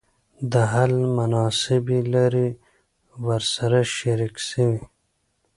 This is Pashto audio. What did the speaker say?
د حل مناسبي لاري ورسره شریکي سوې.